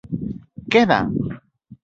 ¡Queda!